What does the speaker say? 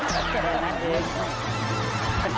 ใส่นั่นเอง